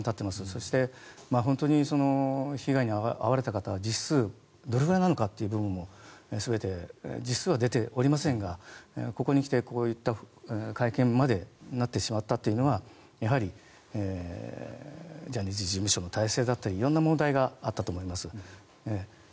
そして、本当に被害に遭われた方は実数どれくらいなのかという部分も全て実数は出ておりませんがここに来てこういった会見までなってしまったというのはやはりジャニーズ事務所の体制だったり色んな問題があったと思います。